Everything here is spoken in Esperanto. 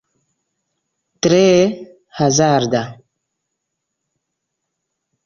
Tre hazarda?